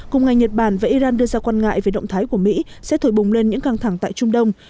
cùng ngày nhật bản và iran đưa ra quan ngại về động thái của mỹ sẽ thổi bùng lên những căng thẳng tại trung đông